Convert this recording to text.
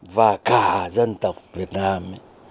và cả dân tộc việt nam